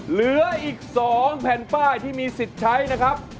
เหลืออีก๒แผ่นป้ายที่มีสิทธิ์ใช้นะครับ